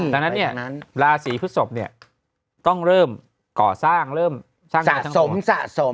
ดังนั้นเนี่ยราศีพฤศพเนี่ยต้องเริ่มก่อสร้างเริ่มสะสมสะสม